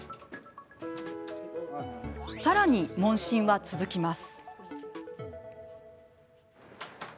さらに、問診は続きます。